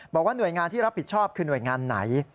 บอกว่าหน่วยงานที่รับผิดชอบคือหน่วยงานไหน